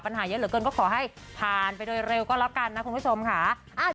เยอะเหลือเกินก็ขอให้ผ่านไปโดยเร็วก็แล้วกันนะคุณผู้ชมค่ะ